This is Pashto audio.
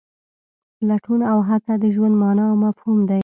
لټون او هڅه د ژوند مانا او مفهوم دی.